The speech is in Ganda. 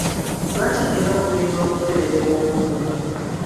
Lwaki nina okugenda okukeberebwa omutwe .